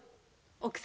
奥様